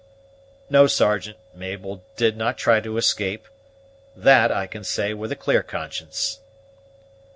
"No, Sergeant, Mabel did not try to escape; that I can say with a clear conscience."